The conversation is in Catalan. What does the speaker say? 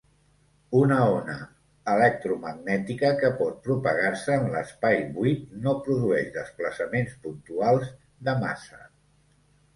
Una ona electromagnètica que pot propagar-se en l'espai buit no produeix desplaçaments puntuals de massa.